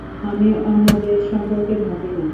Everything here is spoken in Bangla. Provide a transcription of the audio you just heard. আমি অন্যদের সম্পর্কে ভাবি না!